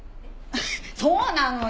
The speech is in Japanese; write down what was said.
そうなのよ。